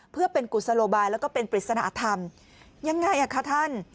เพื่อเป็นกุศโลบายแล้วก็เป็นปริศนธรรมยังไงอ่ะคะท่าน